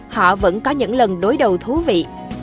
họ vẫn có những lần đối đầu thú vị